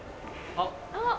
あっ。